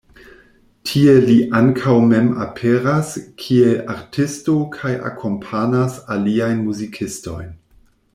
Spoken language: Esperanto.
Tie li ankaŭ mem aperas kiel artisto kaj akompanas aliajn muzikistojn.